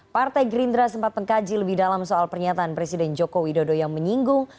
partai gerindra sempat mengkaji lebih dalam soal pernyataan presiden joko widodo yang menyinggung